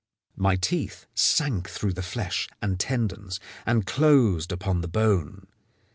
My teeth sank through the flesh and tendons and closed upon the bone.